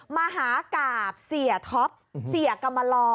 มหากราบเสียท็อปเสียกรรมลอ